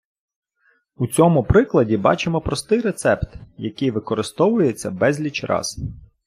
У цьому прикладі бачимо простий рецепт, який використовується безліч раз.